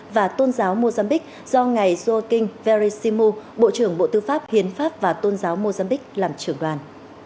và tôn giáo mozambique do ngài yoking vereshimu bộ trưởng bộ tư pháp hiến pháp và tôn giáo mozambique làm trưởng đoàn